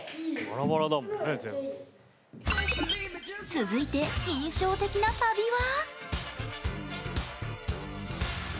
続いて印象的なサビは。